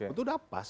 itu sudah pas